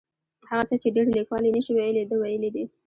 هغه څه چې ډېر لیکوال یې نشي ویلی ده ویلي دي.